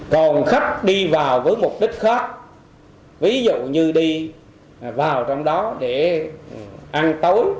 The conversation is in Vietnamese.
còn khách đi vào với mục đích khác ví dụ như đi vào trong đó để ăn tối